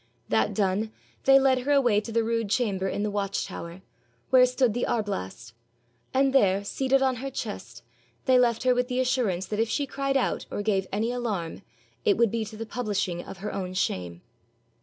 That done, they led her away to the rude chamber in the watch tower, where stood the arblast, and there, seated on her chest, they left her with the assurance that if she cried out or gave any alarm, it would be to the publishing of her own shame.